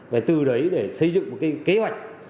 và từ đấy để xây dựng một cái kế hoạch